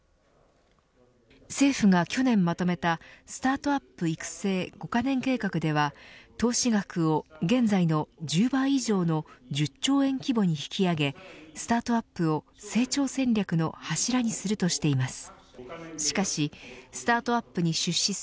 政府が去年まとめたスタートアップ育成５か年計画では投資額を現在の１０倍以上の１０兆円規模に引き上げスタートアップを成長戦略の柱にするとしています。